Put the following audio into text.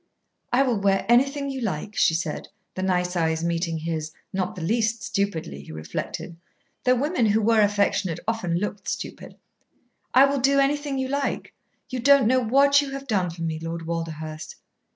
"I will wear anything you like," she said, the nice eyes meeting his, not the least stupidly, he reflected, though women who were affectionate often looked stupid. "I will do anything you like; you don't know what you have done for me, Lord Walderhurst."